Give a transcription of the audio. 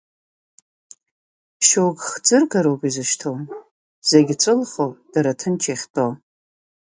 Шьоукы хӡыргароуп изышьҭо, зегь ҵәылхо, дара ҭынч иахьтәо.